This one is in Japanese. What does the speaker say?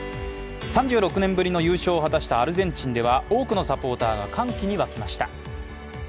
３６年ぶりの優勝を果たしたアルゼンチンでは多くのサポーターが歓喜にわきました。